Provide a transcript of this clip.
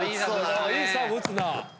いいサーブ打つな。